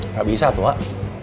gak bisa tuh wak